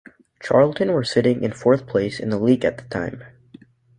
Charlton were sitting in fourth place in the league at the time.